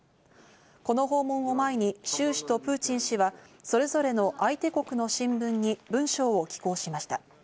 この訪問を前にシュウ氏とプーチン氏はそれぞれの相手国の新聞に文章を寄稿しました。